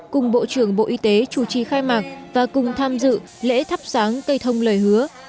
cùng bộ trưởng bộ y tế chủ trì khai mạc và cùng tham dự lễ thắp sáng cây thông lời hứa